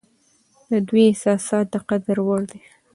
د دوی احساسات د قدر وړ دي.